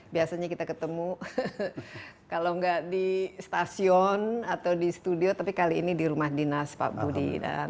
biasanya kita ketemu kalau enggak di stasiun atau di studio tapi kali ini di rumah dinas pak budi